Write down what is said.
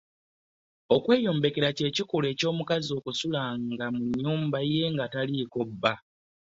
Okweyombekera kye kikolwa ky'omukazi okusulanga mu nnyumba ye nga taliiko bba.